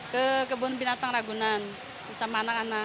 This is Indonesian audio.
ke kebun binatang ragunan bisa menang anak anak